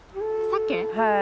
はい。